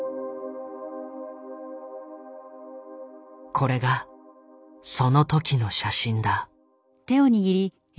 これがその時の写真だ。